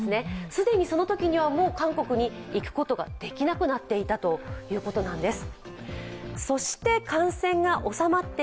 既にそのときには、もう韓国に行くことができなくなっていたということなんです。